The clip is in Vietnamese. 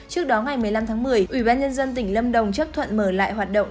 trước đó ngày một mươi năm tháng một mươi ủy ban nhân dân tỉnh lâm đồng chấp thuận mở lại hoạt động